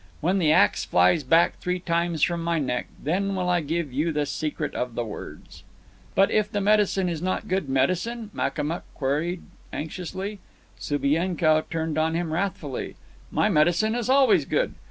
When the axe flies back three times from my neck, then will I give you the secret of the words." "But if the medicine is not good medicine?" Makamuk queried anxiously. Subienkow turned upon him wrathfully. "My medicine is always good.